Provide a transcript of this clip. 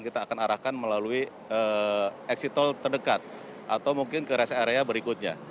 kita akan arahkan melalui exit tol terdekat atau mungkin ke rest area berikutnya